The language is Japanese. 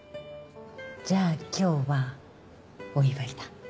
じゃあ今日はお祝いだ。